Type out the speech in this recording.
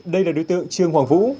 đây là đối tượng trương hoàng vũ